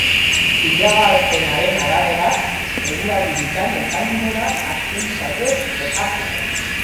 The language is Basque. Iragarpenaren arabera, eguraldi bikaina izango da azken saioez gozatzeko.